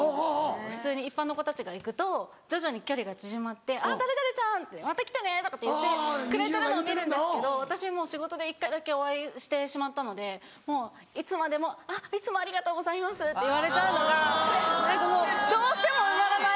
普通に一般の子たちが行くと徐々に距離が縮まって「あっ誰々ちゃんまた来てね」とかって言ってくれてるのを見るんですけど私仕事で一回だけお会いしてしまったのでもういつまでも「あっいつもありがとうございます」。って言われちゃうのが何かもうどうしても埋まらない距離が。